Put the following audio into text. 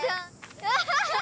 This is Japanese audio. ハハハハ！